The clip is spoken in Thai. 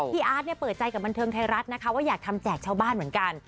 อาร์ตเปิดใจกับบันเทิงไทยรัฐนะคะว่าอยากทำแจกชาวบ้านเหมือนกัน